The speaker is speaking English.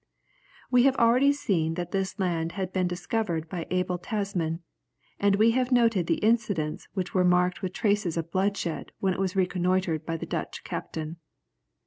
We have already seen that this land had been discovered by Abel Tasman, and we have noted those incidents which were marked with traces of bloodshed when it was reconnoitred by the Dutch captain.